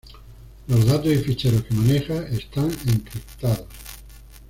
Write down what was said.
los datos y ficheros que maneja están encriptados